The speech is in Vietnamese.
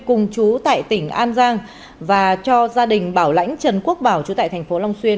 cùng chú tại tỉnh an giang và cho gia đình bảo lãnh trần quốc bảo chú tại thành phố long xuyên